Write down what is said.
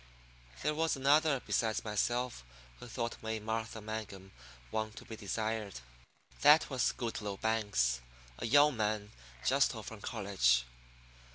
There was another besides myself who thought May Martha Mangum one to be desired. That was Goodloe Banks, a young man just home from college.